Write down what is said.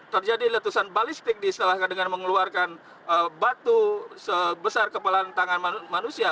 terjadi letusan balistik diistalahkan dengan mengeluarkan batu sebesar kepala tangan manusia